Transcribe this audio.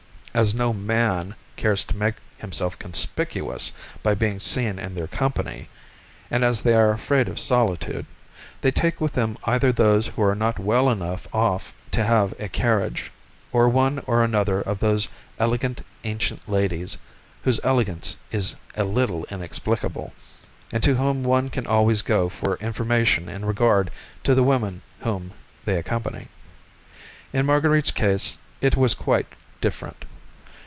As no man cares to make himself conspicuous by being seen in their company, and as they are afraid of solitude, they take with them either those who are not well enough off to have a carriage, or one or another of those elegant, ancient ladies, whose elegance is a little inexplicable, and to whom one can always go for information in regard to the women whom they accompany. In Marguerite's case it was quite different.